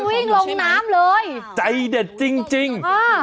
วิ่งลงน้ำเลยใจเด็ดจริงจริงอ่า